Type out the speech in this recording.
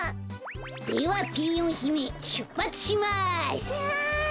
ではピーヨンひめしゅっぱつします！わい！